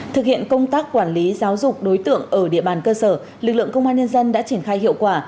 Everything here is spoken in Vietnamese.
thực hiện công tác quản lý giáo dục đối tượng ở địa bàn cơ sở lực lượng công an nhân dân đã triển khai hiệu quả